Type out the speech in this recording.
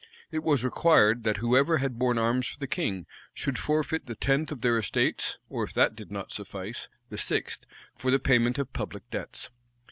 It was required that whoever had borne arms for the king, should forfeit the tenth of their estates; or, if that did not suffice, the sixth, for the payment of public debts.